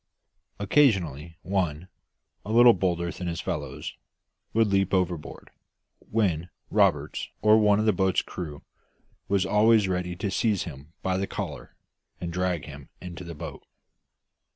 Occasionally one, a little bolder than his fellows, would leap overboard, when Roberts or one of the boat's crew was always ready to seize him by the collar and drag him into the boat.